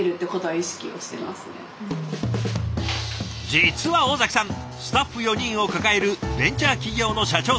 実は尾崎さんスタッフ４人を抱えるベンチャー企業の社長さん。